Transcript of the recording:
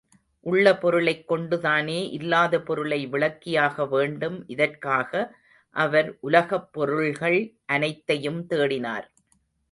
உள்ள பொருளைக் கொண்டுதானே இல்லாத பொருளை விளக்கியாக வேண்டும் இதற்காக அவர் உலகப் பொருள்கள் அனைத்தையும் தேடினார்.